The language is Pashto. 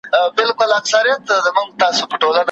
مینه د انسان در پکښي غواړم اورنۍ